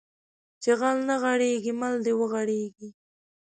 چې غل نه غېړيږي مل د وغړيږي